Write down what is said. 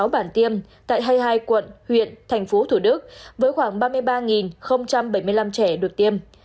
ba trăm ba mươi sáu bản tiêm tại hai mươi hai quận huyện tp thủ đức với khoảng ba mươi ba bảy mươi năm trẻ được tiêm